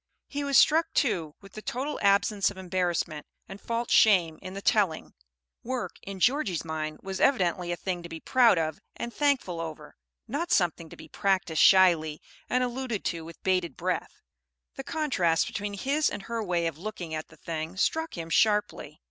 He was struck, too, with the total absence of embarrassment and false shame in the telling. Work, in Georgie's mind, was evidently a thing to be proud of and thankful over, not something to be practised shyly, and alluded to with bated breath. The contrast between his and her way of looking at the thing struck him sharply.